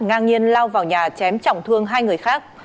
ngang nhiên lao vào nhà chém trọng thương hai người khác